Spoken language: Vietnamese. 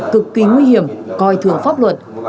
cực kỳ nguy hiểm coi thường pháp luật